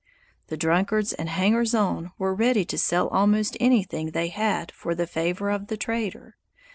The drunkards and hangers on were ready to sell almost anything they had for the favor of the trader.